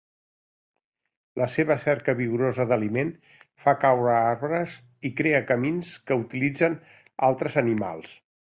La seva cerca vigorosa d'aliment fa caure arbres i crea camins que utilitzen altres animals.